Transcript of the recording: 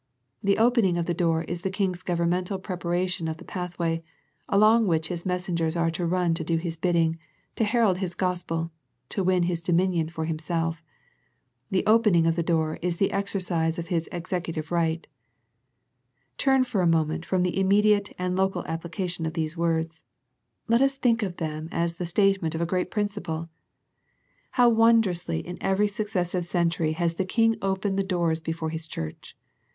The opening of the door is the King's governmental preparation of the pathway, along which His messengers are to run to do His biddings, to herald His Gospel, to win His dominion for Himself. The opening of the door is the exercise of His ex ecutive right. Turn for a moment from the immediate and local application of these words. Let us think of them as the statement of a great principle. How wondrously in every successive century 1 68 A First Century Message has the King opened the doors before His Church.